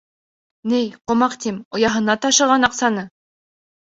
— Ней, ҡомаҡ, тим, ояһына ташыған аҡсаны.